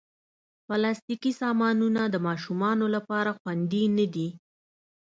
پلاستيکي سامانونه د ماشومانو لپاره خوندې نه دي.